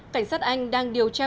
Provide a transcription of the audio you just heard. cảnh sát anh đang điều tra